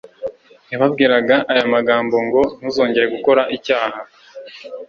yababwiraga aya magambo ngo: «Ntuzongere gukora icyaha,